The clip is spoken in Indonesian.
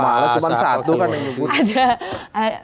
malah cuma satu kan yang dihukum